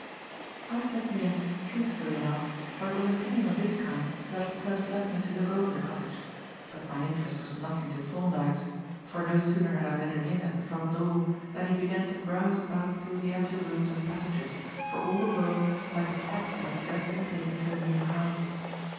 I said "Yes," truthfully enough, for it was a feeling of this kind that had first led me to look over the cottage. But my interest was nothing to Thorndyke's; for no sooner had I let him in at the front door, than he began to browse about through the empty rooms and passages, for all the world like a cat that has just been taken to a new house.